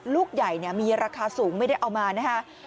ลูกใหญ่มีราคาสูงไม่ได้เอามานะฮะ